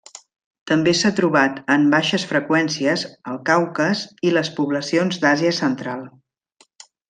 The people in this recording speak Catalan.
També s'ha trobat en baixes freqüències al Caucas i les poblacions d'Àsia central.